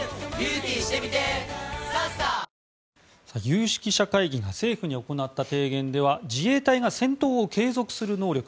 有識者会議が政府に行った提言では自衛隊が戦闘を継続する能力